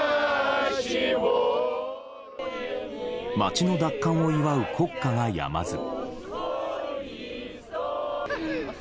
街の奪還を祝う国歌がやまず。